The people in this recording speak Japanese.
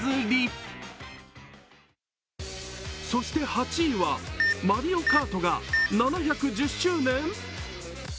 そして８位は、マリオカートが７１０周年？